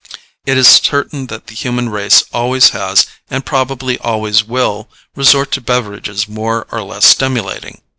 It is certain that the human race always has, and probably always will, resort to beverages more or less stimulating.